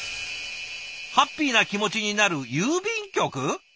「ハッピーな気持ちになる郵便局」！？